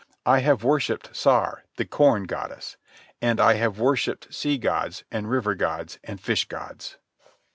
I have worshipped Sar, the Corn Goddess. And I have worshipped sea gods, and river gods, and fish gods.